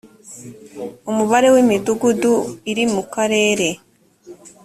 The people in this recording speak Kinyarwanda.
umubare w imidugudu iri mu karere